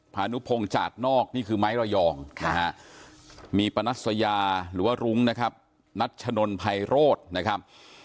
พานุพงศ์จากนอกนี่คือไม้ระยองนะฮะมีปนัสยาหรือว่ารุ้งนะครับนัชนนภัยโรธนะครับ